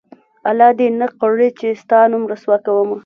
الله دې نه کړي چې ستا نوم رسوا کومه